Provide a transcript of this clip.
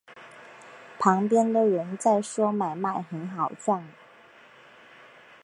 旁边的人在说买卖很好赚